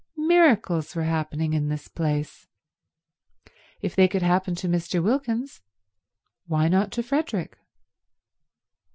Miracles were happening in this place. If they could happen to Mr. Wilkins, why not to Frederick?